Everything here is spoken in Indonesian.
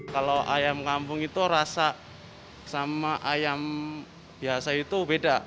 kalau ayam kampung itu rasa sama ayam biasa itu beda